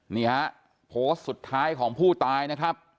นี่ฮะโพสต์สุดท้ายของผู้ตายนะครับ